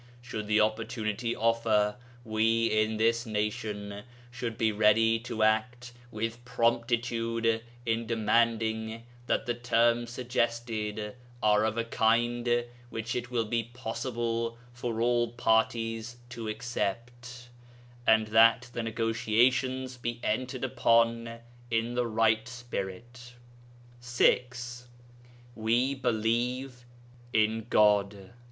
Should the opportunity offer, we, in this nation, should be ready to act with promptitude in demanding that the terms suggested are of a kind which it will be possible for all parties to accept, and that the negotiations be entered upon in the right spirit. 6. We believe in God.